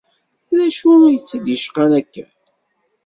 D acu i tt-id-icqan akka?